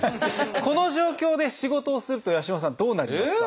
この状況で仕事をすると八嶋さんどうなりますか？